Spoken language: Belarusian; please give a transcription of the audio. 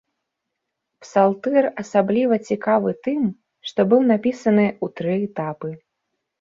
Псалтыр асабліва цікавы тым, што быў напісаны ў тры этапы.